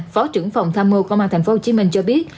phó trưởng phòng tham mưu công an thành phố hồ chí minh cho biết